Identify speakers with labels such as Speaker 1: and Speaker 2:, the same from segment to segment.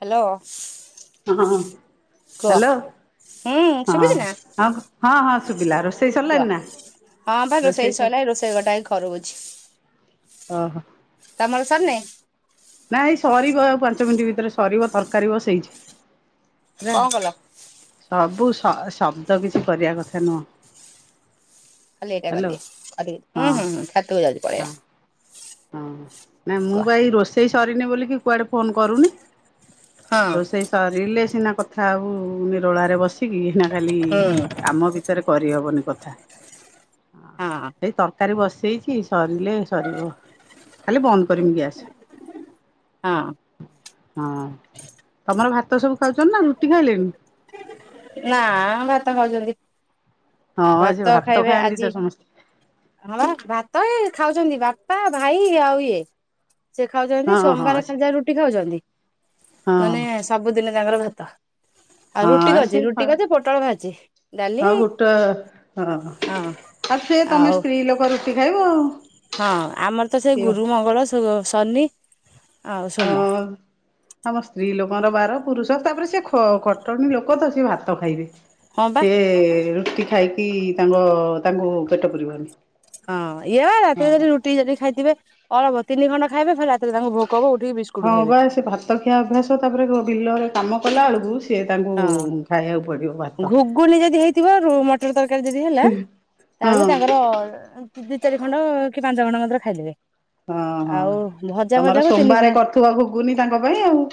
Speaker 1: Hello
Speaker 2: ହଁ
Speaker 1: କୁହ।
Speaker 2: Hello
Speaker 1: ହୁଁ ଶୁଭୁଛି ନା
Speaker 2: ହଁ ହଁ ହଁ ସୁିବିଲା ରୋ ସେଇ
Speaker 1: କୁହ
Speaker 2: ସରିଲଣି ନା?
Speaker 1: ହଁ ବା ରୋଷେଇ ସଇଲା ଏ ରୋଷେଇ ଘର ଟା ଏଇ ଖରୁକୁଛି ।
Speaker 2: ଓହୋ ନାଇ । ସରିବ ଆଉ ପାଞ୍ଚ ମିନିଟ ଭିତରେ ସରିବ ତରକାରୀ ବସେଇଛି। ହେଲା
Speaker 1: କଣ କଲ?
Speaker 2: ସବୁ ସ ଶବ୍ଦ କିଛି କରିବା କଥା ନୁହଁ ।
Speaker 1: ଖାଲି ଏଇଟା କରିଦିଏ ଆଉ ଟିକେ ଉଁ ହୁଁ ହୁଁ ଛାତ କୁ ଯାଉିଚି
Speaker 2: ହଁ
Speaker 1: ପଳେବା ।
Speaker 2: ହଁ ନାଇ ମୁଁ ବା ଏଇ ରୋଷେଇ ସରିନି ବୋଲି କୁଆଡେ ଫୋନ କରୁନି
Speaker 1: ହଁ
Speaker 2: । ରୋଷେଇ ସରିଲେ ସିନା କଥା ଆଉ ନିରୋଳରେ ବସି କି ନା ଖାଲି
Speaker 1: ହୁଁ
Speaker 2: କାମ ଭିତରେ କରିହବନି କଥା
Speaker 1: ହଁ
Speaker 2: ଏଇ ତ! ରକାରି ବସେଇଛି ସିରିଲେ ସିରିବ ଖାଲି ବନ୍ଦ କରିମି ଗ୍ୟାସ?
Speaker 1: ହଁ
Speaker 2: ହଁ ତମର ଭାତ ସବୁ ଖାଉଛ ନା ରୁଟି ଖାଇଲେଣି?
Speaker 1: ନା ଭାତ ଖାଉଛନ୍ତି।
Speaker 2: ହଁ ସେ
Speaker 1: ଭାତ ଖାଇବେ
Speaker 2: ଖାଆନ୍ତି ତ
Speaker 1: ଆଜି
Speaker 2: ସମସ୍ତେ।
Speaker 1: ହଁ ଭାତ ଏ ଖାଉଛନ୍ତି ବା ପା ଭାଇ ଆଉ ଇଏ । ସିଏ ଖାଉଛନ୍ତି
Speaker 2: ହଁ ହଁ
Speaker 1: ସୋମବାର
Speaker 2: ସେ
Speaker 1: ଖାଲି ଜା ରୁଟି ଖାଉଛନ୍ତି
Speaker 2: ହଁ
Speaker 1: ନେଏଲେ ସବୁଦିନ ତାଙ୍କର ଭାତ ଆଉ ରୁ ରୁଟି
Speaker 2: ହଁ ସେ
Speaker 1: କରଚି
Speaker 2: ଖ
Speaker 1: ରୁଟି କରିଚି ପୋଟଳ ଭାଜଚି ଡାଲି
Speaker 2: ହଁ ଗୋଟା
Speaker 1: ହଁ?
Speaker 2: ଆଉ ସେ ତମେ
Speaker 1: ଆଉ
Speaker 2: ସ୍ତ୍ରୀ ଲୋକ ରୁଟି ଖାଇବ ଆଉ ।
Speaker 1: ହଁ ଆମର ତ ସେ ଗୁରୁ ମଙ୍ଗଳ ସନି ।
Speaker 2: ହଁ ଆମ ସ୍ତ୍ରୀ ଲୋକ। ଙ୍କର ବାର ପୁରୁଷ ତାପରେ ସେ ଖ ଖଟଣୀ ଲୋକ ତ ସିଏ ଭାତ ଖାଇବେ
Speaker 1: ହଁ ବା
Speaker 2: ସେ ରୁ ରୁଟି ଖାଇକି ତାଙ୍କ ତାଙ୍କୁ ପେଟ କରିବନି
Speaker 1: ହଁ ଇଏ ବା ରାତିରେ ଯଦି ରୁଟି ଯଦି ଖାଇଥିବେ ଅଳପ ତିନି ଖଣ୍ା ଖାଇବେ ରାତିରେ ତାଙ୍କୁ ଭୋକ ହବ ଉଠିକି ବିସ୍କୁଟ
Speaker 2: ହଁ
Speaker 1: ଖାଇବେ
Speaker 2: ବା ସେ ଭାତ ଖିଆ ଅଭ୍ୟାସ ତାପରେ ବିଲରେ କାମ କଲା ବେଳକୁ? ସିଏ ତାଙ୍କୁ ଖାଇବାକୁ ପଡିବ ଭାତ।
Speaker 1: ହଁ ଘୁଗୁନ ଯଦି ହେଇଥିବ ର ତରକାରୀ ଯଦି ହେଲା ତାହେଲେ
Speaker 2: ହଁ
Speaker 1: ତାଙ୍କର ଦି ଚାରି ଖଣ୍ଡ ପାଞ୍ଚ ଘଣ୍ା ମାତରେ ଖାଇଦେବେ।
Speaker 2: ହଁ ହଁ
Speaker 1: ଆଉ ଭଜା
Speaker 2: ତମର
Speaker 1: ଭଜାକୁ ତିନି ଖଣ୍ଡ
Speaker 2: ସୋମବାରେ କରୁଥିବା ଘୁଗୁନି ତାଙ୍କ ପାଇଁ ଆଉ?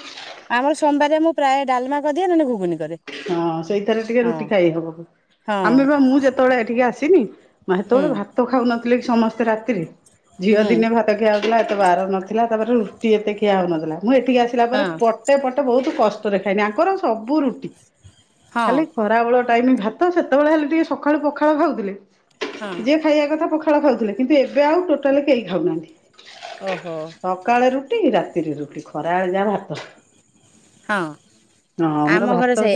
Speaker 1: ଆମର ସୋମବାରେ ମୁଁ ପ୍ରାୟ ଡାଲମା କରିଦିଏ ନହେଲେ ଘୁଗୁନି କରେ
Speaker 2: ହଁ ସେଇଥିରେ ଟିକେ
Speaker 1: ହଁ
Speaker 2: ରୁଟି ଖାଇ ହବ
Speaker 1: ହଁ
Speaker 2: ଆମେ ବା ମୁଁ ଯେତେବେଳେ ଏଠିକ ଆସିନି ମା
Speaker 1: ହୁଁ
Speaker 2: ସେତେବେଳେ ଭାତ ଖାଉନଥିଲେ କି ସମସ୍ତେ ରାତିରେ ଝିଅ
Speaker 1: ହୁଁ
Speaker 2: ଦିନେ ଭାତ ଖିଆହଉଥିଲା ତେ ବାର ନଥିଲା ତାପରେ ରୁଟି ଏତେ ଖିଆ ହଉନଥିଲା ମୁଁ ଏଠିକି ଆସିଲା
Speaker 1: ହଁ
Speaker 2: ପରେ ପଟେ ପଟେ ବହୁତ କଷ୍ଟ କରେ ଖାଇନି ତାଙ୍କର ସବୁ ରୁଟି
Speaker 1: ହଁ
Speaker 2: ଖାଲି ଖରାବେେଳ ଟାଇମ ଭାତ ସେତେବେଳେ ହେଲେ ଟିକେ ସକାଳୁ ପଖାଳୁ ଖାଉଥିଲେ
Speaker 1: ହଁ
Speaker 2: ଯିଏ ଖାଇବା କଥା ପଖାଳ ଖାଉଥିଲେ କିନ୍ତୁ ଏବେ ଆଉ ଟୋଟାଲି କେହି ଖାଉନାହାନ୍ତି।
Speaker 1: ଓହୋ
Speaker 2: ସକାଳେ ରୁଟି ରାତିରେ ରୁଟି ଖରା ବେଳେ ଯା ଭାତ
Speaker 1: ହଁ
Speaker 2: ହଁ ଆମର
Speaker 1: ଆମ ଘରେ
Speaker 2: ଭାତ
Speaker 1: ସେ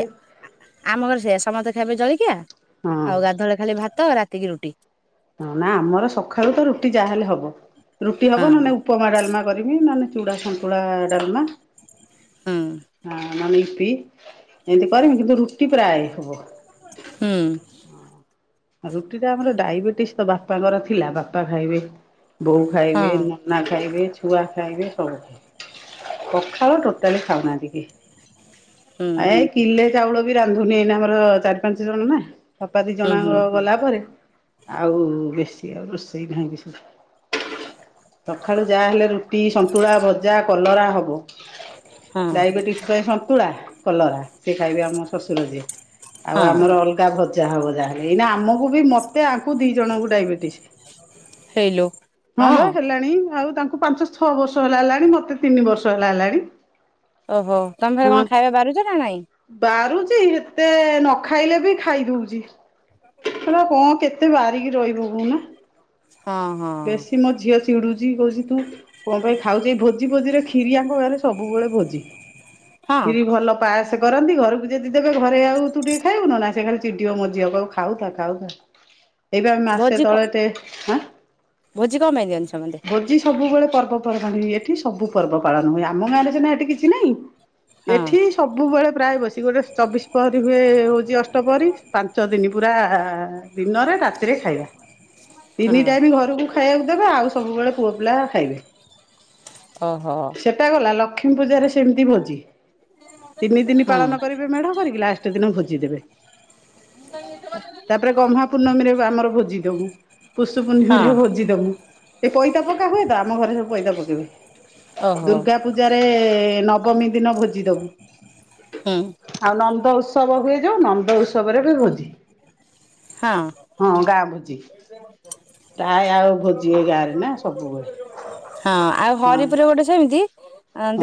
Speaker 1: ଆମ ଘରେ ସେ ସମସ୍ତେ ଖାଇବେ ଜଳିକିଆ
Speaker 2: ହଁ
Speaker 1: ଆଉ ଗାଧୁଆଳି ଖାଲି ଭାତ ତ ରାତିକି ରୁଟି
Speaker 2: ହ ନା ଆମର ସକାଳୁ ତ ରୁଟି ଯାହାହେଲେ ହବ ରୁଟି
Speaker 1: ହଁ
Speaker 2: ହବ ନଲେ ଉପମା ଡାଲମା କରିବି ନହେ ଚୁଡ଼ା ସନ୍ତୁଳା ଡାଲମା
Speaker 1: ହଁ
Speaker 2: ହଁ ନହେଲେ ୟିପି ଏମିତି କରିମି କିନ୍ତୁ ରୁଟି ପ୍ରାୟ ହବ
Speaker 1: ହୁଁ।
Speaker 2: ରୁଟି ଟା ଆମର ଡାଇବେଟିସ ତ ବାପାଙ୍କର ଥିଲା ବାପା ଖାଇବେ ବୋଉ ଖାଇବେ
Speaker 1: ହଁ
Speaker 2: ନନା ଖାଇବେ ଛୁଆ ଖାଇ ବି ସବୁ ପଖାଳ ଟୋଟାଲି ଖାଉନାହାନ୍ତି କି
Speaker 1: ହୁଁ
Speaker 2: ଏ କିଲେ ଚାଉଳ ବି ରାନ୍ଧୁନି ଆମର ଚାରି ପାଞ୍ଚ ଜଣ ନା ସପା ଦି
Speaker 1: ହୁଁ ହୁଁ
Speaker 2: ଜଣଙ୍କ ଗଲା ପରେ ଆଉ ବେଶୀ ଆଉ ରୋଷେଇ ନାହିଁ କିଛି ସକାଳୁ ଯାହା ହେଲେ ରୁଟି ସନ୍ତୁଳା ଭଜା କଲରା ହବ
Speaker 1: ହ [inaudible]
Speaker 2: ଡାଇବେଟିିସ ପାଇଁ ସନ୍ତୁଳା କଲରା ସେ ଖାଇବେ ଆମ ଶ୍ୱଶୁର ଯିଏ। ଆଉ
Speaker 1: ହଁ
Speaker 2: ଆମର ଅଲଗା ଭଜା ହବ ଯାହା ଏଇନା ଆମକୁ ବି ମତେ ଆକୁ ଦି ଜଣଙ୍କୁ ଡାଇବେଟିସ
Speaker 1: ହେଇଲୋ
Speaker 2: ହଁ ବା ହେଲାଣି ଆଉ ତାଙ୍କୁ ପାଞ୍ଚ ଛଅ ବର୍ଷ ହେଲା ହେଲାଣି ମତେ ତିନି ବର୍ଷ ହେଲା ହେଲାଣି
Speaker 1: ଓହୋ ତମେ ଥରେ
Speaker 2: ହଁ
Speaker 1: କଣ ଖାଇବା ବାହାରୁଛ ନା ନାଇଁ
Speaker 2: ବାରୁଛି ଏତେ ନ ଖାଇଲେ ବି ଖାଇ ଦଉଛି ହେଲା କଣ କେତେ ବାରିକି ରହିବ କହୁନ
Speaker 1: ହଁ ହଁ
Speaker 2: ବେଶୀ ମୋ ଝିଅ ଚିଡୁଛି କହୁଛି ତୁ କଣ ପାଇଁ ଖାଉଛ ଭହୁତ ଭୋଜି ଭୋଜିରେ କ୍ଷୀରି ଆଙ୍କ ଗାଁ ରେ ସବୁବେଳେ ଭୋଜି
Speaker 1: ହଁ
Speaker 2: କ୍ଷୀରି ଭଲ ପାସ କରନ୍ତି ଘରକୁ ଯଦି ଦେବେ ଘରେ ଆଉ ତୁ ଟିକେ ଖାଇବନ ନା ସେ ଖାଲି ଚିଡିିବ ମୋ ଝିଅ କହିବ ଖାଉଥା ଖାଉ ଏଇବେ ଆମେ ମାସେ
Speaker 1: ଭୋଜି କ
Speaker 2: ତଳେେଁ
Speaker 1: ଭୋଜି କଣ ପାଇଁ ଦିଅନ୍ତି ସମସ୍ତେ
Speaker 2: ଭୋଜି ସବୁବେଳେ ପର୍ବ ପର୍ବାଣି ଏଠି ସବୁ ପର୍ବ ପାଳନ ହୁଏ ଆମ ଗାଁରେ ନା ଏଠି କିଛି ନାଇଁ
Speaker 1: ହଁ
Speaker 2: ଏଠି ସବୁବେଳେ ପ୍ରାୟ ବସି ଗୋଟେ ଚବିଶ ପହରୀ ହୁଏ ହଉଛି ଅଷ୍ଟ ପହରୀ ପାଞ୍ଚ ଦିନ ନି ପୁରା ଦିନରେ ରାତିରେ ଖାଇବା ତିନି
Speaker 1: ହଁ
Speaker 2: ଟାମ ଘରକୁ ଖାଇବାକୁ ଦେବେ ଆଉ ସବୁବେଳେ ପୁଅ ପିଲା ଖାଇବେ
Speaker 1: ଓହୋ
Speaker 2: ସେଟା ଗଲା ଲକ୍ଷ୍ମୀ ପୂଜାରେ ସେମିତି ଭୋଜି ତିନି ଦିନ
Speaker 1: ହୁଁ
Speaker 2: ପାଳନ କରିବେ ମେଢ କରିକି ଲାଷ୍ଟ ଦିନ ଭୋଜି ଦେବେ ତାପରେ ଗହ୍ମା
Speaker 1: [unintelligible]
Speaker 2: ପୂର୍ଣ୍ଣମୀରେ ଆମର ଭୋଜି ଦବୁ ପୁଷ
Speaker 1: ହଁ
Speaker 2: ପୂର୍ଣ୍ଣିମିରେ ଭୋଜି ଦବୁ ଏଇ ପଇତା ପକା ହୁଏ ତ ଆମ ଘରେ ସବୁ ପଇତା ପକେଇବେ
Speaker 1: ଓହୋ
Speaker 2: ଦୁର୍ଗା ପୂଜାରେ ନବମୀ ଦିନ ଭୋଜି ଦବୁ
Speaker 1: ହୁଁ
Speaker 2: ଆଉ ନନ୍ଦ ଉତ୍ସବ ହୁଏ ଯୋଉଁ ନନ୍ଦ ଉତ୍ସବରେ ଭୋଜି
Speaker 1: ହଁ
Speaker 2: ହଁ ଗାଁ ଭୋଜି। ପ୍ରାୟ ଆଉ ଭୋଜି ଏ ଗାଁ ରେ ନା ସବୁବେଳେ
Speaker 1: ହଁ ଆଉ
Speaker 2: ହଁ
Speaker 1: ହରିପୁର ଗୋଟେ ସେମିତି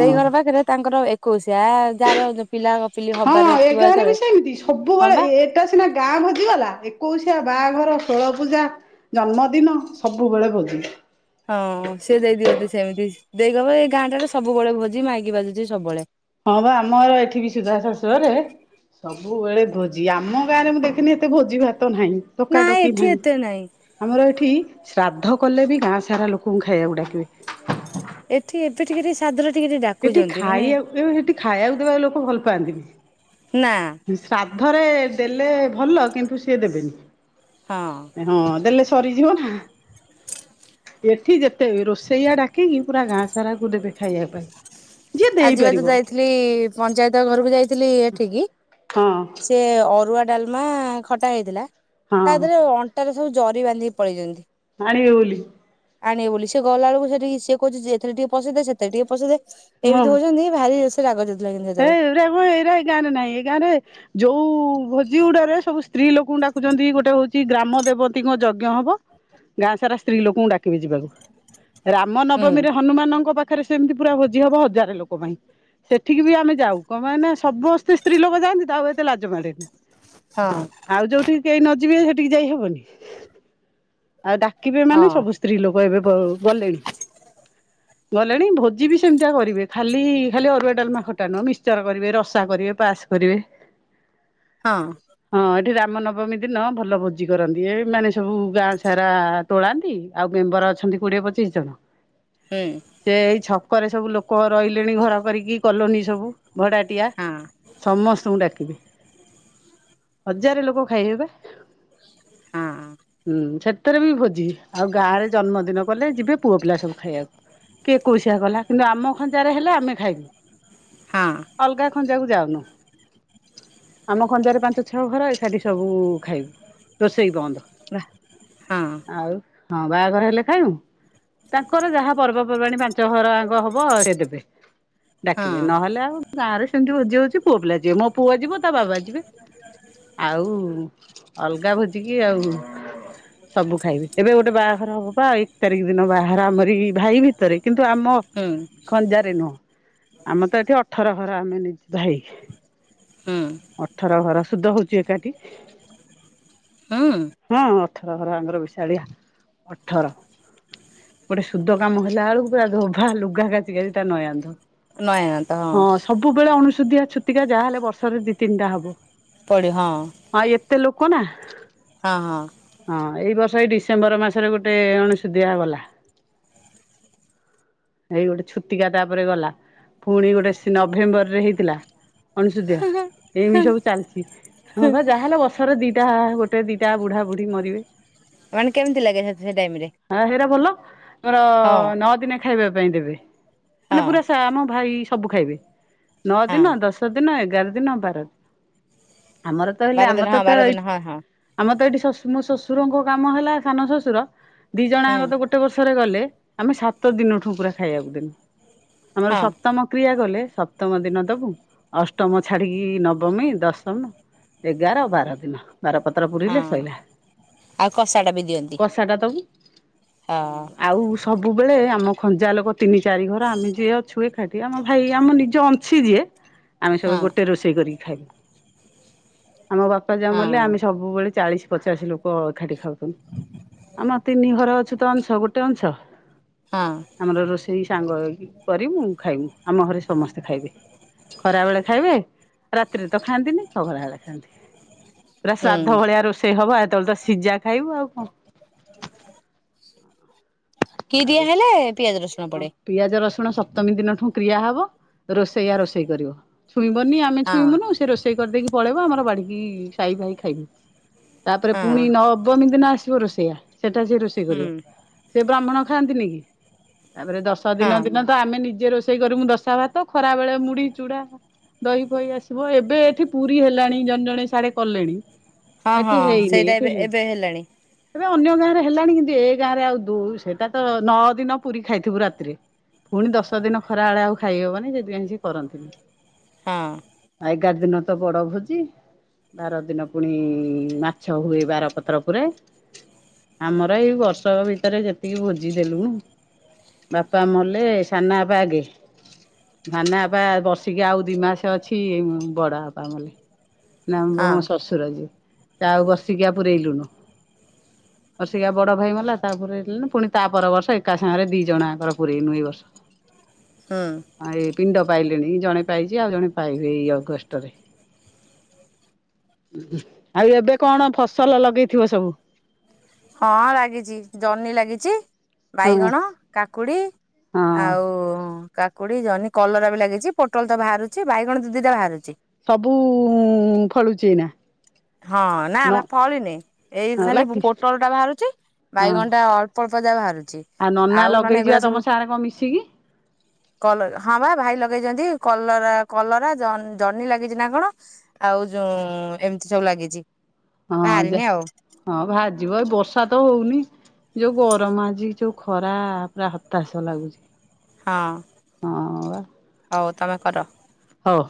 Speaker 1: ଦେଇ ଘର ପାଖରେ ତାଙ୍କର ଏକୋଇଶିଆ ଯାହାର ପିଲା ପିଲି
Speaker 2: ହଁ
Speaker 1: ହବାରେ
Speaker 2: ଏ
Speaker 1: ଥିବ
Speaker 2: ଗାଁ ରେ ବି
Speaker 1: ଯେତେବେଳେ
Speaker 2: ସେମିତି
Speaker 1: ହଁ
Speaker 2: ସବୁବେଳେ
Speaker 1: ବା
Speaker 2: ଏଟା ସିନା ଗାଁ ଭୋଜିଗଲା ଏକୋଇଶିଆ ବାହାଘର ଷୋଳ ପୂଜା ଜନ୍ମଦିନ ସବୁବେଳେ ଭୋଜି।
Speaker 1: ହଁ ସେ ଦେଇଦିଅନ୍ତି ସେମିତି ଦେଇ କହିବ ଏଇ ଗାଁଟାରେ ସବୁବେଳେ ଭୋଜି ମାଇକି ବାଜୁଛି ସବୁବେଳେ।
Speaker 2: ହଁ ବା ଆମର ଏଠି ବି ସୁଧା ଶାଶୁଘରେ ସବୁବେଳେ ଭୋ ଜି ଆମ ଗାଁରେ ମୁଁ ଦେଖିନି ଏତେ ଭୋଜି ଭାତ ନାହିଁ
Speaker 1: ନା
Speaker 2: ଡକାଡକି
Speaker 1: ଏଠି
Speaker 2: ନାହିଁ
Speaker 1: ଏତେ ନାଇଁ
Speaker 2: ଆମର ଏଠି ଶ୍ରାଦ୍ଧ କଲେ ବି ଗାଁ ସାରା ଲୋକଙ୍କୁ ଖାଇବାକୁ ଡାକିବେ।
Speaker 1: ଏଠି ଏତେ ଟିକେ ଟିକେ ସାଦ
Speaker 2: ଏଠି ଖାଇବାକୁ ଏଠି ଖାଇବାକୁ ଦେବା ଲୋକ ଭଲ ପାଆନ୍ତିନି।
Speaker 1: ନା।
Speaker 2: ଥରେ ଦେଲେ ଭଲ କିନ୍ତୁ ସିଏ
Speaker 1: ହଁ
Speaker 2: ଦେବେନି ହଁ ଦେଲେ ସେ ସରିଯିବ ନା।
Speaker 1: [unintelligible]
Speaker 2: ଏଠି ଯେତେ ରୋଷେଇଆ ଡାକିକି ପୁରା ଗାଁ ସାରା କୁ ଦେବେ ଖାଇବା ପାଇଁ। ଯିଏ
Speaker 1: ଆଜି ବା ତ
Speaker 2: ଦେଇପାରିବ
Speaker 1: ଯାଇଥିଲି ପଞ୍ଚାୟତ ଘରକୁ ଯାଇଥିଲି ଏଠିକି
Speaker 2: ହଁ
Speaker 1: ସେ ଅରୁଆ। ଡାଲମା ଖଟା ହେଇଥିଲା
Speaker 2: ହଁ
Speaker 1: ତା ଦେହରେ ଅଣ୍ଟାରେ ସବୁ ଜରି ବାନ୍ଧିକି ପଳେଇଛନ୍ତି।
Speaker 2: ଆଣିବେ ବୁଲି।
Speaker 1: ଆଣିବେ ବୋଲି ସେଏ ଗଲା ବେକୁ ସେଠିକି ସିଏ କହୁଛି ଯେତଥିରେ ଟିକେ ପସେଇ ଦେ ସେଥିେରେ ଟିକେ ପସେଇ ଦେ। ଏମିତି ହଉଛନ୍ତି ଭାରି ସେ ରାଗ
Speaker 2: [unintelligible]
Speaker 1: ସେତେବେଳେ।
Speaker 2: ଏଁ ଗାଁ ରେ ନାଇଁ ଏଁ ଗାଁ ରେ ଯୋଉଁ ହଉ ଭୋଜି ଗୁଡାରେ ସବୁ ସ୍ତ୍ରୀ ଲୋକଙ୍କୁ ଡାକୁଛନ୍ତି ଗୋଟେ ହଉଛି ଗ୍ରାମ ଦେବତୀଙ୍କ ଯଜ୍ଞ ହବ। ଗାଁ ସାରା ସ୍ତ୍ରୀ ଲୋକଙ୍କୁ ଡାକିବେ ଯିବାକୁ। ରାମ ନବମୀ
Speaker 1: ହୁଁ
Speaker 2: ରେ ହନୁମାନଙ୍କ ପାଖରେ ସେମିତି ପୁରା ଭୋଜି ହବ ହଜାର ଲୋକ ପାଇଁ ସେଠ ଠିକ ବି ଆମେ ଯାଉ କଣ ପାଈଁ ନା ସମସ୍ତେ ସ୍ତ୍ରୀ ଲୋକ ଯାଆନ୍ତି ତାପରେ ଏତେ ଲାଜ ମାଡ଼େନି।
Speaker 1: ହଁ
Speaker 2: ଆଉ ଯୋଉଁଠିକି କେହି ନ ଯିବେ ସେଠିକି ଯାଇ ହବନି। ଆଉ ଡାକିବେ ମାନେ
Speaker 1: ହଁ
Speaker 2: ସବୁ ସ୍ତ୍ରୀ ଲୋକ ଏବେ ବ ଗଲେଣି। ଗଲେଣି ଭୋଜି ବି ସେମିତିଆ କରିବେ ଖାଲି ଖାଲି ଅରୁଆ ଡାଲମା। ଖଟା ନୁହଁ ମିଷଚର କରିବେ ରସା କରିବେ ପାସ୍ କରିବେ
Speaker 1: ହଁ
Speaker 2: ହଁ ଏଠି ରାମ ନବମୀ ଦିନ ଭଲ ଭୋଜି କରନ୍ତି। ଏ ମାନେ ସବୁ ଗାଁ ସାରା ତୋଳାନ୍ତି ଆଉ ମେମ୍ବର ଅଚନ୍ତି କୋଡ଼ିଏ ପଚିଶି ଜଣ
Speaker 1: ହୁଁ
Speaker 2: ସେ ଏଇ ଛକରେ ସବୁ ଲୋକ ରହିଲେଣି ଘର କରିକି କଲୋନି ସବୁ ଭଡାଟିଆ
Speaker 1: ହଁ
Speaker 2: ସମସ୍ତଙ୍କୁ ଡାକିବେ। ହଜାର ଲୋକ ଖାଇବେ ବା
Speaker 1: ହଁ
Speaker 2: ହୁଁ ସେ ଭିତରେ ବି ଭୋଜି ଆଉ ଗାଁ ରେ ଜନ୍ମଦିନ କଲେ ଯିବେ ପୁଅ ପିଲା ସବୁ ଖାଇବାକୁ। କି ଏକୋସିିଆ କଲା କିନ୍ତୁ ଆମ ଖଞ୍ଜା ରେ ହେଲେ ଆମେ ଖାଇବୁ
Speaker 1: ହଁ
Speaker 2: ଅଲଗା ଖଞ୍ଜାକୁ ଯାଉନୁ। ଆମ ଖଞ୍ଜାରେ ପାଞ୍ଚ ଛଅ ଘର ଏକାଠି ସବୁ ଖାଇବୁ ରୋଷେଇ ବନ୍ଦ।
Speaker 1: ହଁ
Speaker 2: ଆଉ ହଁ ବାହାଘର ହେଲେ ଖାଇବୁ ତାଙ୍କର ଯାହା ପର୍ବପର୍ବାଣୀ ପାଞ୍ଚ ଘର ଆଗ ହବ ସେ ଦେବେ।
Speaker 1: ହଁ
Speaker 2: ଡାକିବେ ନହେଲେ ଆଉ ଗାଁରେ ସେମିତି ଭୋଜି ହଉଛି। ପୁଅ ପିଲା ଯିବେ। ମୋ ପୁଅ ଯିବ ତା ବାବା ଯିବେ। ଆଉ ଅଲଗା ଭୋଜିି କି ଆଉ ସବୁ ଖାଇବେ ଏବେ ଗୋଟେ ବାହାଘର ହବ ବା ଏକ ତାରିଖ ଦିନ ବାହାଘର ଆମର ଭାଇ ଭିତରେ କିନ୍ତୁ ଆମ
Speaker 1: ହୁଁ
Speaker 2: ଖଞ୍ଜାରେ ନୁହଁ। ଆମ ତ ଏଠି ଅଠର ଘର ଆମେ ଭାଇ।
Speaker 1: ହୁଁ
Speaker 2: ଅଠର ଘର ସୁଧ ହଉଚି ଏକାଠି।
Speaker 1: ହୁଁ
Speaker 2: ହଁ ଅଠର ଘର ଆଙ୍ଗର ବିଶାଳିଆ ଅଠର। ଗୋଟେ ସୁଧ କାମ ହେଲା ବେଳକୁ ପୁରା ଧୋବା ଲୁଗା କାଚି କାଚି ତା ନୟାନ୍ତ। ହଁ ସବୁବେଳେ ଅଣୁସୁଧିଆ, ଛୁତିକିଆ ଯାହା ହେଲେ ବର୍ଷରେ ଦି ତିନିଟା ହବ।
Speaker 1: ପଡେ ହଁ।
Speaker 2: ହଁ ଏତେ ନା ଲୋକ [unintelligible]
Speaker 1: ହଁ ହଁ
Speaker 2: ହଁ ଏଇ ବର୍ଷ ସେଇ ଡିସେମ୍ବର ମାସରେ, ଗୋଟେ ଅଣଶୋଧିଆ ଗଲା।
Speaker 1: [inaudible]
Speaker 2: ଏଇ ଗୋଟେ ଛୁତିକା, ତାପରେ ଗଲା ।ପୁଣି ଗୋଟେ ନଭେମ୍ବର ରେ ହେଇଥିଲା। ଅଣସୁଦିଆ।
Speaker 1: ହଁ ହଁ
Speaker 2: ଏମିତି
Speaker 1: ହଁ
Speaker 2: ସବୁ ଚାଲିଛି ।ହଁ ବା, ଯାହାହେଲେ ବର୍ଷର ଦିଟା ଗୋଟେ ଦିଟା ବୁଢା, ବୁଢୀ ମରିବେ।
Speaker 1: ମାନେ, କେମିତି ଲାଗେ ।ସେ ଟାଇମ ରେ।
Speaker 2: ମୋର
Speaker 1: ହଁ
Speaker 2: ନଅ ଦିନେ, ଖାଇବା ପାଇଁ ଦେବେ। ମାନେ,
Speaker 1: ହଁ
Speaker 2: ପୁରା ଆମ ଭାଇ ସବୁ ଖାଇବେ। ନଅ
Speaker 1: ହଁ
Speaker 2: ଦିନ, ଦଶ ଦିନ, ଏଗାର ଦିନ ଆମର ତ ହେଲେ,
Speaker 1: ବାର
Speaker 2: ଆମ
Speaker 1: ଦିନ
Speaker 2: ତ
Speaker 1: ହଁ ବାର ଦିନ
Speaker 2: ତଠ,
Speaker 1: ହଁ ହଁ
Speaker 2: ଆମ ତ ଏଇଠି ଶଶ ମୁଁ ଶଶ [unintelligible] ଶ୍ୱଶୁରଙ୍କ କାମ ହେଲା, ସାନ ଶଶୁର ।ଦି ଜଣ
Speaker 1: ହୁଁ
Speaker 2: ଯାକ ତ, ଗୋଟେ ବର୍ଷରେ ଗଲେ। ଆମେ ସାତ ଦିନଠୁ ପୁରା ଖାଇବାକୁ ଦେଲୁ। ଆମର
Speaker 1: ହଁ
Speaker 2: ସପ୍ତମ କ୍ରିୟା କଲେ। ସପ୍ତମ ଦିନ ଦବୁ, ଅଷ୍ଟମ ଛାଡିକି ନବମୀ, ଦଶମୀ, ଏଗାର, ବାର ଦିନ। ବାରପତ୍ର ପୁୁରିଲେ,
Speaker 1: ହଁ
Speaker 2: ସଇଲା।
Speaker 1: ଆଉ କଷା ଟା ବି ଦିଅନ୍ତି
Speaker 2: କଷା ଟା ଦବୁ।
Speaker 1: ହଁ
Speaker 2: ଆଉ ସବୁବେଳେ ଆମ ଖଞ୍ଜା ଲୋକ ତିନି, ଚାରି ଘର ।ଆମେ ଯିଏ ଅଛୁ ଏକାଠି ।ଆମ ଭାଇ, ଆମ ନିଜ ଅଂଶ ଯିଏ ଆମେ
Speaker 1: ହଁ
Speaker 2: ସବୁ ଗୋଟେ ରୋଷେଇ କରିକି ଖାଇବୁ। ଆମ ବାପା ଜଉ
Speaker 1: ହଁ
Speaker 2: ମଲେ ।ଆମେ ସବୁବେଳେ ଚାଳିଶ ପଚାଶି ଲୋକ ଏକାଠି ଖାଉଥୁଲୁ। ଆମ ତିନି ଘର ଅଛୁତ, ଅଂଶ ଗୋଟେ ଅଂଶ।
Speaker 1: ହଁ।
Speaker 2: ଆମର ରୋଷେଇ ସାଙ୍ଗ ହେଇକି କରିବୁ, ଖାଇବୁ ।ଆମ ଘରେ ସମସ୍ତେ ଖାଇବେ। ଖରା ବେଳେ ଖାଇବେ ରାତିରେ ତ ଖାଆନ୍ତିନି, ଖରା ବଳେ ଖାଆନ୍ତି। ପୁରା ଶ୍ରାଦ୍ଧ
Speaker 1: ହୁଁ
Speaker 2: ଭଳିଆ ରୋଷେଇ ସେଇ ହବ। ଏତେବେଳେ ତ ସିଝା ଖାଇବୁ ଆଉ କଣ?
Speaker 1: କି
Speaker 2: ଆଉ
Speaker 1: ଦିଆ ହେଲେ, ପିଆଜ ରସୁଣ
Speaker 2: ହଁ
Speaker 1: ପଡେ।
Speaker 2: ପିଆଜ ରସୁଣ ସପ୍ତମୀ ଦିନଠୁ କ୍ରିୟା ହେବ। ରୋଷେୟା ରୋଷେଇ କରିବା । ଛୁଇଁବନି, ଆମେ
Speaker 1: ହଁ
Speaker 2: ଛୁଇଁବୁନି ସେ ରୋଷ ସେଇ କରିଦେଇକି ପଳେଇବ ।ଆମର ବାଡିକି ସାଇ ଭାଇ ଖାଇବୁ। ତାପରେ,
Speaker 1: ହଁ
Speaker 2: ପୁଣି ନବମୀ ଦିନ ଆସିବ ରୋଷେଇଆ ।ସେଟା ସେ ରୋଷେଇ କରିବ
Speaker 1: ହୁଁ
Speaker 2: ।ସେ ବ୍ରାହ୍ମଣ ଖାଆନ୍ତି ନି କି? ତାପରେ ଦଶ
Speaker 1: ହଁ
Speaker 2: ଦିନ ଦିନ ତ, ଆମେ ନିଜେ ରୋଷେଇ କରୁ ଦଶ ଭାତ। ଖରା ବେଳେ ମୁଢ଼ି ଚୁଡା ଦହି ପହି ଆସିବ ।ଏବେ ଏଠି ପୁରୀ ହେଲାଣି ଜଣେ ଜଣେ ସାଡେ କଲେଣି
Speaker 1: ହଁ
Speaker 2: । ଏଠି
Speaker 1: ହଁ
Speaker 2: ହେଇନି,
Speaker 1: ସେଇଟା
Speaker 2: ଏଠି
Speaker 1: ଏବେ
Speaker 2: ହେଇନି।
Speaker 1: ଏବେ ହେଲାଣି
Speaker 2: ଏବେ ଅନ୍ୟ ଗାଁରେ ହେଲାଣି ।କିନ୍ତୁ ଏ ଗାଁ ରେ ଆଉ ଦୁ, ସେଇଟା ତ ନଅ ଦିନ ପୁରୀ ଖାଇଥିବୁ ରାତିରେ। ପୁଣି ଦଶ ଦିନ ଖରା ବେଳେ ଆଉ ଖାଇହବନି ।ସେଥିଲାଗି କାଇଁ ସି କରନ୍ତିନି।
Speaker 1: ହଁ
Speaker 2: ଏଗାର ଦିନ ତ ବଡ ଭୋଜି। ବାର ଦିନ ପୁଣି ମାଛ ହୁଏ, ବାର ପତ୍ର ପରେ। ଆମର ଏଇ ବର୍ଷକ ଭିତରେ ଯେତିକି ଭୁଜି ଜି ଦେଲୁ। ବାପା ମଲେ, ସାନା ବା ଆଗେ। ଧାନା ହବା ବର୍ଷିକି, ଆଉ ଦି ମାସ ଅଛି ।ବଡ ବାପା ମଲେ।
Speaker 1: ହଁ
Speaker 2: [unintelligible] ଶଶୁର ଯିଏ । ଆଉ ବର୍ସିକି ପୁରଇଲୁନୁ ।ବସିକା ବଡ ଭାଇ ମଲା, ତା ପରେଲ ପୁଣି ତା ପର ବର୍ଷ, ଏକା ସାଙ୍ଗରେ ଦି ଜଣଙ୍କର ପୁରରେଇନୁ, ଏଇ ବର୍ଷ।
Speaker 1: ହୁଁ
Speaker 2: ଏଇ ପିଣ୍ଡ ପାଇଲେଣି ।ଜଣେ ପାଇଛି ଆଉ ଜଣେ ପାଇବେ। ଏଇ ଅଗଷ୍ଟରେ।
Speaker 1: [inaudible]
Speaker 2: ଆଉ, ଏବେ କଣ ଫସଲ ଲଗେଇଥିବ ସବୁ।
Speaker 1: ହଁ ଲାଗିଛି। ଜହ୍ନି ଲାଗିଛି।
Speaker 2: ହଁ।
Speaker 1: ବାଇଗଣ, କାକୁଡି
Speaker 2: ହଁ
Speaker 1: ଆଉ କାକୁଡି, ଜହ୍ନି, କଲରା ବି ଲାଗିଛି ।ପୋଟଲ ତ ବାହାରୁଛି। ବାଇଗଣ ଦି ଦିଟା ବାହାରୁଛି।
Speaker 2: ସବୁ ଫଳୁଛି ନା।
Speaker 1: ହଁ, ନା ଫଳିନି ।ଏଇ ଖାଲି
Speaker 2: ଲାଗି
Speaker 1: ପୋଟଲ ଟା ବାହାରୁଛି।
Speaker 2: ହଁ।
Speaker 1: ବାଇଗଣଟା ଅଳ୍ପ ଯାହା ବାହାରୁଛି।
Speaker 2: ନନା
Speaker 1: ଆଉ ନହେଲେ
Speaker 2: ଲଗେଇଛି ବା
Speaker 1: ଏଗୁଡ଼ା
Speaker 2: ତମ
Speaker 1: ସବୁ
Speaker 2: ସାଙ୍ଗରେ କଣ ମିଶିକି
Speaker 1: କଲ ହଁ ବା ଭାଇ ଲଗେଇଛନ୍ତି। କଲରା କଲରା ଜନ୍ହିଲାଗିଛି ନା କଣ ଆଉ ଯୋଉ ଏମିତି ସବୁ ଲାଗିଛି
Speaker 2: ହଁ ଦେ
Speaker 1: ବାହାରିନି ଆଉ
Speaker 2: ହଁ ଭାଜିବ ଏଇ ବର୍ଷା ତ ହଉନି ଯୋଉ ଗରମ ଆଜି ଯୋଉ ଖରା ପୁରା ହତାଶ ଲାଗୁଛି।
Speaker 1: ହଁ
Speaker 2: ହଁ ବା
Speaker 1: ହଉ ତମେ କର
Speaker 2: ହଉ।